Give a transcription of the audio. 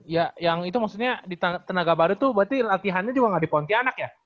ya yang itu maksudnya di tenaga baru tuh berarti latihannya juga nggak di pontianak ya